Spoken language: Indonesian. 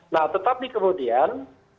nah tetapi kemudian